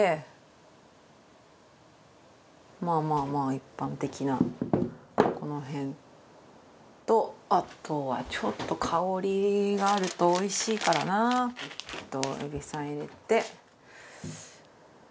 まあまあまあ一般的なこの辺とあとはちょっと香りがあるとおいしいからな海老さん入れて。